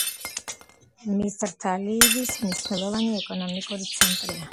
მისრათა ლიბიის მნიშვნელოვანი ეკონომიკური ცენტრია.